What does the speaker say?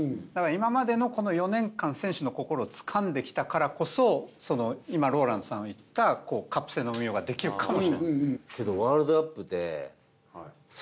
今までの４年間選手の心をつかんできたからこそ今ＲＯＬＡＮＤさんが言ったカップ戦の運用ができるかも。